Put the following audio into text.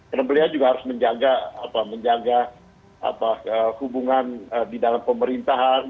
karena beliau juga harus menjaga hubungan di dalam pemerintahan